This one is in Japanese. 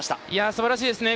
すばらしいですね。